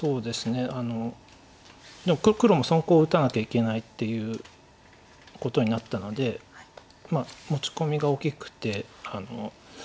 でも黒も損コウを打たなきゃいけないっていうことになったので持ち込みが大きくて。